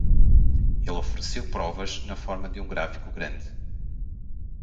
Ele ofereceu provas na forma de um gráfico grande.